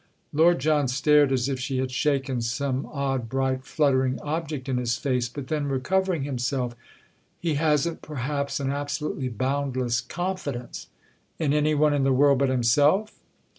Lord John stared as if she had shaken some odd bright fluttering object in his face; but then recovering himself: "He hasn't perhaps an absolutely boundless confidence—" "In any one in the world but himself?"